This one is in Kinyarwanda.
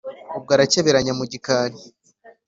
,Ubwo arakeberanya mu gikari,